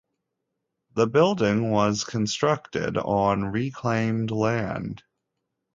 The building was constructed on reclaimed land.